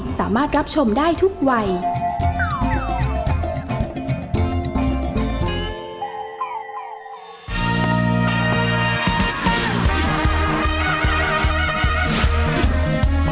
แม่บ้านประจำบาน